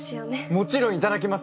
もちろんいただきます。